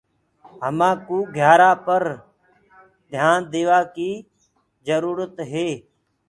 همآ ڪوُ گھيآرآنٚ پر ڌيآن ديوآ ڪي جروُرت هي۔